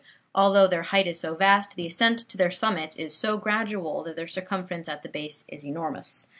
Although their height is so vast, the ascent to their summits is so gradual that their circumference at the base is enormous.